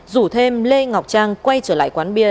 rủ thêm lê ngọc trang quay trở lại quán bia